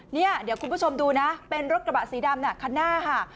เนี่ยเดี๋ยวคุณผู้ชมดูนะเป็นรถกระบะสีดำน่ะคันหน้าค่ะ